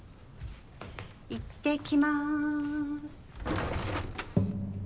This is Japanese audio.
いってきます。